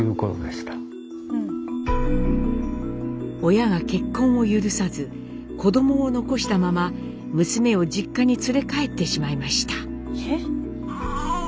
親が結婚を許さず子どもを残したまま娘を実家に連れ帰ってしまいました。